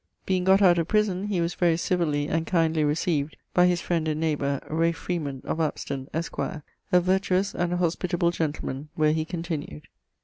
Being gott out of prison, he was very civilly and kindly received by his friend and neighbour, Ralph Freeman, of Apsten, esq., a vertuous and hospitable gentleman, where he continued....